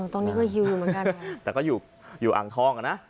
ตรงนี้ก็ฮิวเหมือนกันแต่ก็อยู่อ่างทองอ่ะนะ